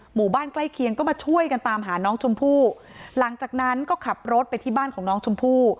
หมู่บ้านใกล้เคียงก็มาช่วยกันตามหาน้องชมพู่หลังจากนั้นก็ขับรถไปที่บ้านของน้องชมพู่